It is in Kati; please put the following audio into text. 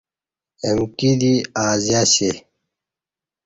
امکی دی ازیاسی